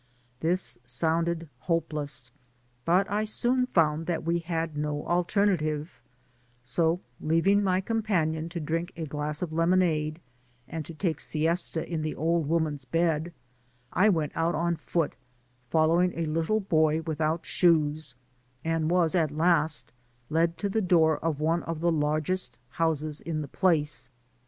This sounded hopeless, but I soon found that we had no alternative; so leaving my companion to drink a glass of lemonade, and to take a siesta in the old woman's bed, I went out on foot, following a little boy witlfout shoes, and was at last led to the door of one of the largest houses in the place.